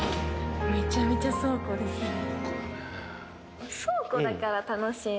めちゃめちゃ倉庫ですね。